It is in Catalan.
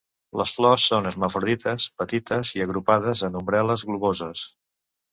Les flors són hermafrodites, petites i agrupades en umbel·les globoses.